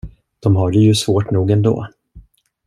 De har det ju svårt nog ändå.